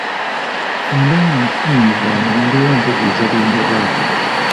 Bwe mba nkutumye mu bwangu mbeera ntegeeza bye njagala.